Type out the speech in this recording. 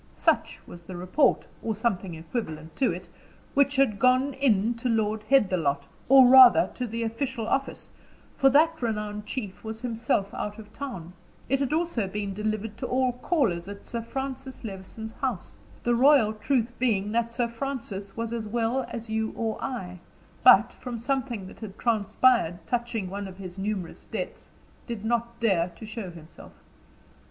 Such was the report, or something equivalent to it, which had gone in to Lord Headthelot, or rather, to the official office, for that renowned chief was himself out of town; it had also been delivered to all callers at Sir Francis Levison's house; the royal truth being that Sir Francis was as well as you or I, but, from something that had transpired touching one of his numerous debts, did not dare to show himself.